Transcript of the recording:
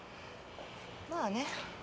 まあね